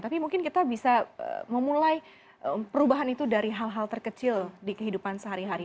tapi mungkin kita bisa memulai perubahan itu dari hal hal terkecil di kehidupan sehari hari